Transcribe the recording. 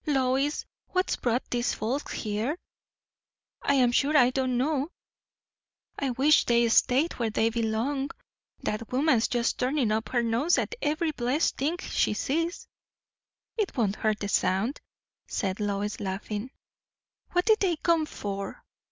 "Lois, what's brought these folks here?" "I am sure I don't know." "I wish they'd stayed where they belong. That woman's just turning up her nose at every blessed thing she sees." "It won't hurt the Sound!" said Lois, laughing. "What did they come for?"